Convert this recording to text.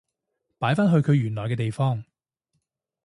擺返去佢原來嘅地方